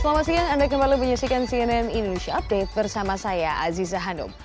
selamat siang anda kembali menyaksikan cnn indonesia update bersama saya aziza hanum